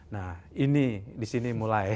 nah ini disini mulai